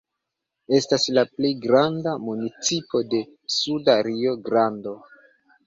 Estas la pli granda municipo de Suda Rio-Grando.